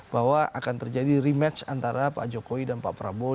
bahwa akan terjadi rematch antara pak jokowi dan pak prabowo